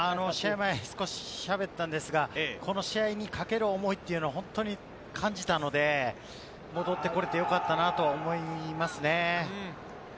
前、少し喋ったんですが、この試合にかける思いを本当に感じたので、戻って来れてよかったなと思いますね。